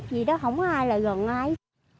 vì đó không có ai lại gần ai